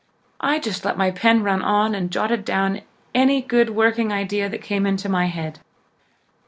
"I just let my pen run on and jotted down any good working idea that came into my head.